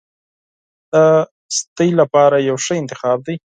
دا ستاسو لپاره یو ښه انتخاب دی.